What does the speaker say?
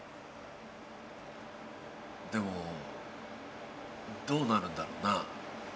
でもどうなるんだろうな。